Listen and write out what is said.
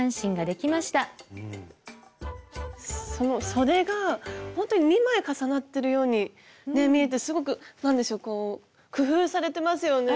そでがほんとに２枚重なってるようにね見えてすごく何でしょうこう工夫されてますよね！